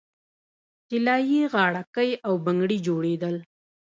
طلايي غاړکۍ او بنګړي جوړیدل